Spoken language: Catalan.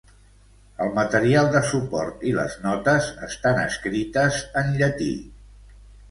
El material de suport i les notes estan escrites en llatí.